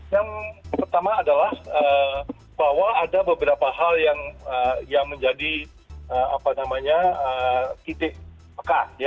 yang pertama adalah bahwa ada beberapa hal yang menjadi titik pekah